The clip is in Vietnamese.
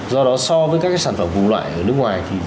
do đó so với các sản phẩm vùng loại ở nước ngoài